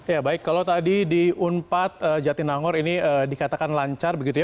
ya baik kalau tadi di unpad jatinangor ini dikatakan lancar begitu ya